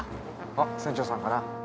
あっ船長さんかな。